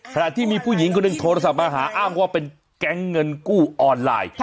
ขณะที่มีผู้หญิงคนหนึ่งโทรศัพท์มาหาอ้างว่าเป็นแก๊งเงินกู้ออนไลน์